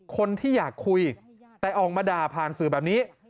คนที่อยากคุยแต่ออกมาด่าผ่านสื่อแบบนี้